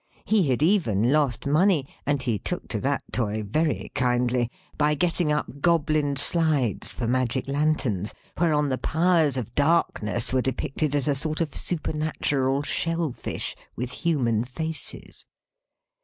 He had even lost money (and he took to that toy very kindly) by getting up Goblin slides for magic lanterns, whereon the Powers of Darkness were depicted as a sort of supernatural shell fish, with human faces.